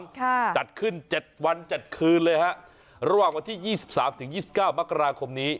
ค่ะจัดขึ้นเจ็ดวันเจ็ดคืนเลยฮะระหว่างวันที่ยี่สิบสามถึงยี่สิบเก้ามกราคมนี้